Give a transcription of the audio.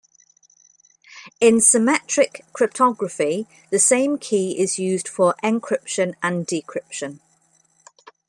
In symmetric cryptography the same key is used for encryption and decryption.